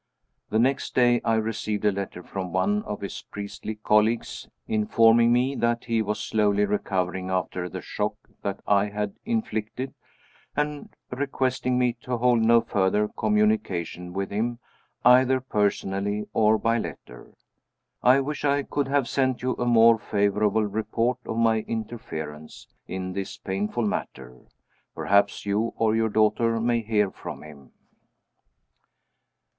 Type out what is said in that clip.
The next day I received a letter from one of his priestly colleagues, informing me that he was slowly recovering after the shock that I had inflicted, and requesting me to hold no further communication with him, either personally or by letter. I wish I could have sent you a more favorable report of my interference in this painful matter. Perhaps you or your daughter may hear from him."